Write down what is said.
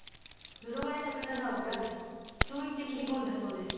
刀を恨めそう言って切り込んだそうです。